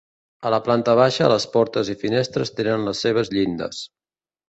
A la planta baixa les portes i finestres tenen les seves llindes.